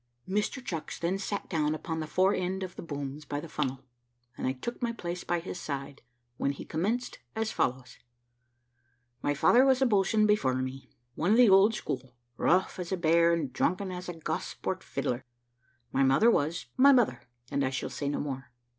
Mr Chucks then sat down upon the fore end of the booms by the funnel, and I took my place by his side, when he commenced as follows: "My father was a boatswain before me one of the old school, rough as a bear, and drunken as a Gosport fiddler. My mother was my mother, and I shall say no more.